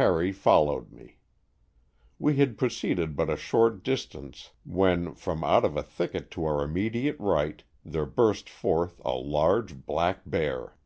Harry followed me. We had proceeded but a short distance, when, from out of a thicket to our imme diate right, there burst forth a large black bear.